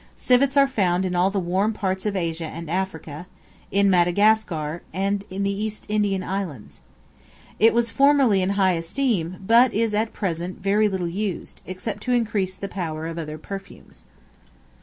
Civets are found in all the warm parts of Asia and Africa, in Madagascar, and the East Indian Islands. It was formerly in high esteem, but is at present very little used, except to increase the power of other perfumes.